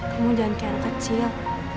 kamu jangan kayak kecil